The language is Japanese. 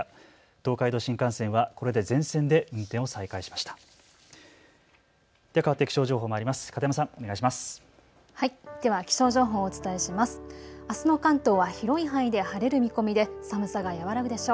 東海道新幹線はこれで全線で運転を再開しました。